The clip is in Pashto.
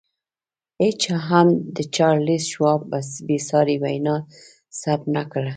هېچا هم د چارلیس شواب بې ساري وینا ثبت نه کړه